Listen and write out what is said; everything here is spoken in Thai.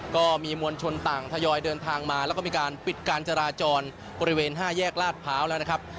ก็มีมวลชนต่างทยอยเดินทางมาแล้วก็มีการปิดการจราจรบริเวณ๕แยกลาดพร้าวแล้วนะครับ